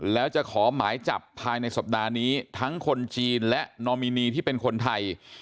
แล้วจะขอหมายจับภายในสัปดาห์นี้ทั้งคนจีนและนอมินีที่เป็นคนไทย